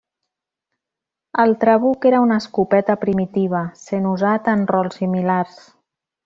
El trabuc era una escopeta primitiva, sent usat en rols similars.